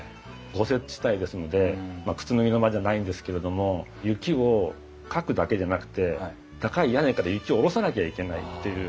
豪雪地帯ですので靴脱ぎの間じゃないんですけれども雪をかくだけでなくて高い屋根から雪を下ろさなきゃいけないっていう。